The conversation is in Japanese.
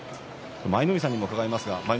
舞の海さんにも伺います。